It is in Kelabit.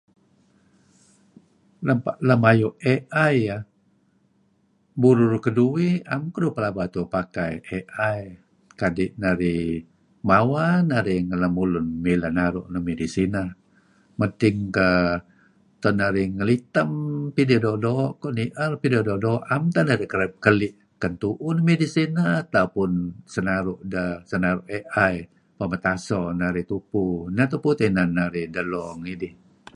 Lem ayu' iih burur keduih naem keduh pakai AI kadi' marih mawa ngen lemulun mileh naru' midih dineh madting narih ngeliteh idih doo'-doo', nier peh idih doo'-doo' naem teh narih kereb keli' ken tuuh midih sineh atau sinru' AI peh metaso narih tupu. Neh tupu inan narih delo ngidih.